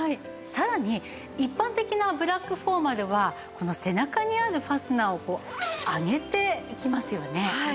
さらに一般的なブラックフォーマルはこの背中にあるファスナーを上げて着ますよね。